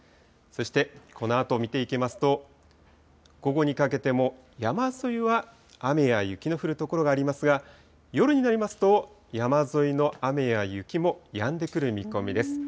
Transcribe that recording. そしてこのあと見ていきますと、午後にかけても山沿いは雨や雪の降る所がありますが、夜になりますと、山沿いの雨や雪もやんでくる見込みです。